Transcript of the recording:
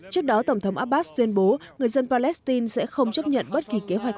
trước đó tổng thống abbas tuyên bố người dân palestine sẽ không chấp nhận bất kỳ kế hoạch